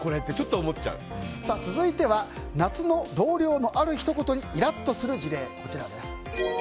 続いては夏の同僚のあるひと言にイラッとする事例。